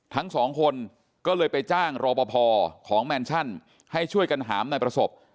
ทั้งสองคนก็เลยไปจ้างรอปภของแมนชั่นให้ช่วยกันหามนายประสบ